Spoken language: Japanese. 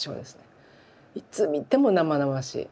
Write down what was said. いつ見ても生々しい。